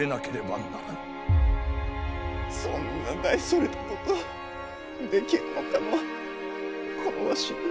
そんな大それたことできるのかのこのわしに。